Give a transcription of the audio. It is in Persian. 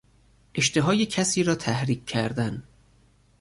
اشتهای کسی را تحریک کردن